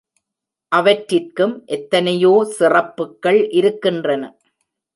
அவற்றிற்கும் எத்தனையோ சிறப்புக்கள் இருக்கின்றன.